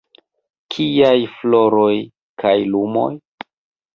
Kiaj floroj kaj lumoj?